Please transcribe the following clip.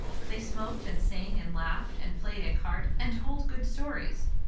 They smoked, and sang, and laughed, and played écarte, and told good stories.